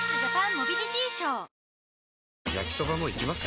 焼きソバもいきます？